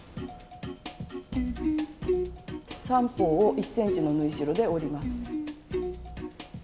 ３方を１ｃｍの縫い代で折ります。